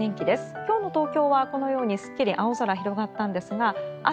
今日の東京はこのようにすっきり青空広がったんですが明日